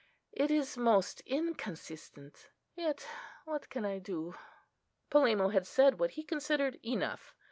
It is most inconsistent: yet what can I do?" Polemo had said what he considered enough.